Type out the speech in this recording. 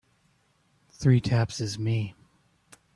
Three taps is me.